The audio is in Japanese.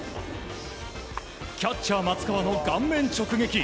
キャッチャー松川の顔面直撃。